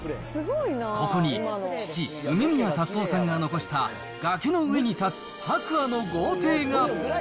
ここに、父、梅宮辰夫さんが残した崖の上に建つ白亜の豪邸が。